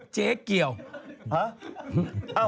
เจ๊เกียวหรอ